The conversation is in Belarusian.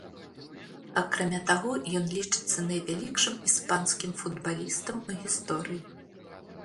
Акрамя таго, ён лічыцца найвялікшым іспанскім футбалістам у гісторыі.